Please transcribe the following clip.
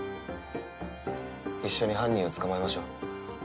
一緒に犯人を捕まえましょう。